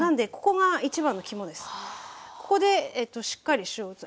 ここでしっかり塩を打つ。